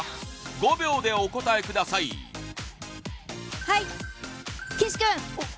５秒でお答えください岸君！